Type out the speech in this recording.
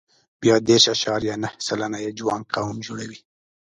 بیا دېرش اعشاریه نهه سلنه یې جوانګ قوم جوړوي.